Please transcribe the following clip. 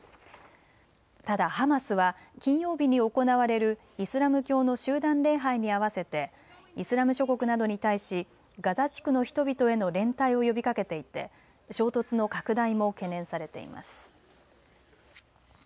ただハマスは金曜日に行われるイスラム教の集団礼拝に合わせてイスラム諸国などに対しガザ地区の人々への連帯を呼びかけていて衝突の拡大も懸念されています。